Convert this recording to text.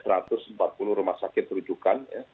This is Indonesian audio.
satu ratus empat puluh rumah sakit rujukan